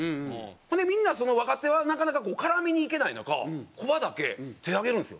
ほんでみんな若手はなかなか絡みにいけない中コバだけ手挙げるんですよ。